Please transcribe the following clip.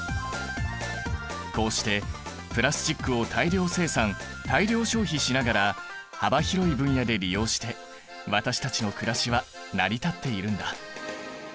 こうしてプラスチックを大量生産大量消費しながら幅広い分野で利用して私たちのくらしは成り立っているんだ。